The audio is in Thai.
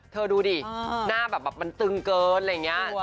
ดูดิหน้าแบบมันตึงเกินอะไรอย่างนี้